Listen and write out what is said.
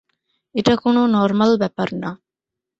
এটা কোন নরমাল ব্যাপার না।